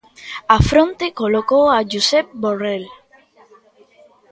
Á fronte colocou a Josep Borrell.